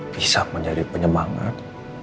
bisa menjadi penyemangat